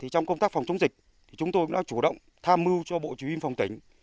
trong công tác phòng chống dịch chúng tôi đã chủ động tham mưu cho bộ chủ yên phòng tỉnh